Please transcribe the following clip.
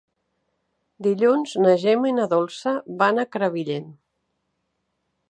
Dilluns na Gemma i na Dolça van a Crevillent.